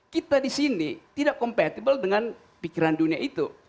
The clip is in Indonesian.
kita di sini tidak compatible dengan pikiran dunia itu